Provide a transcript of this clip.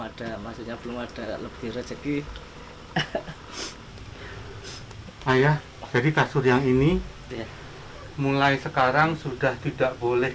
ada maksudnya belum ada lebih rezeki ayah jadi kasur yang ini mulai sekarang sudah tidak boleh